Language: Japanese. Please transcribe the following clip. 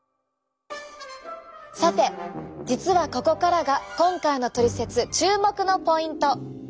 さて実はここからが今回のトリセツ注目のポイント。